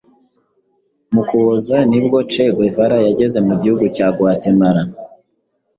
mu kuboza nibwo che guevara yageze mu gihugu cya guatemala